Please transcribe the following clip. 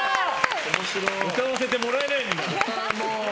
歌わせてもらえないんだ。